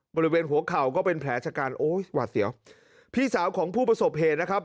บริเวณหัวเข่าก็เป็นแผลชะกันโอ้ยหวาดเสียวพี่สาวของผู้ประสบเหตุนะครับ